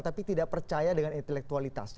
tapi tidak percaya dengan intelektualitasnya